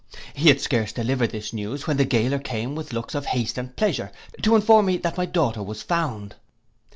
He had scarce delivered this news, when the gaoler came with looks of haste and pleasure, to inform me, that my daughter was found.